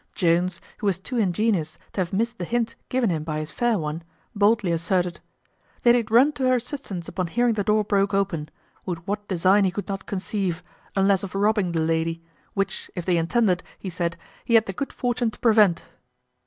Jones, who was too ingenious to have missed the hint given him by his fair one, boldly asserted, "That he had run to her assistance upon hearing the door broke open, with what design he could not conceive, unless of robbing the lady; which, if they intended, he said, he had the good fortune to prevent."